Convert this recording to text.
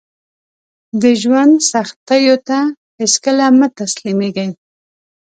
د ژوند سختیو ته هیڅکله مه تسلیمیږئ